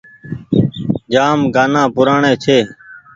جآم گآنآ پرآني ڇي ۔